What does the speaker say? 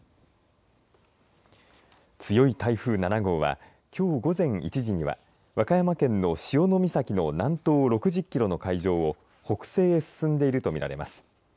強い台風７号はきょう午前１時には和歌山県の潮岬の南東６０キロの海上を北西へ進んでいると見られます。